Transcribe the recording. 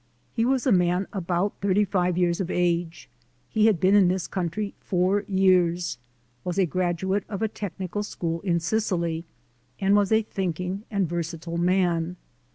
He was a man about thirty five years of age. He had been in this country four years, was a graduate of a technical school in Sicily, and was a thinking and versatile man.